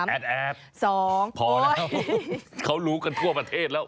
แอดสองพอแล้วเขารู้กันทั่วประเทศแล้ว